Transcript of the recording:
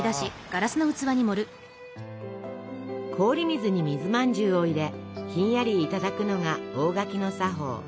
氷水に水まんじゅうを入れひんやりいただくのが大垣の作法。